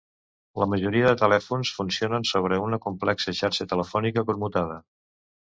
La majoria de telèfons funcionen sobre una complexa Xarxa Telefònica Commutada.